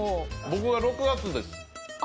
僕は６月です。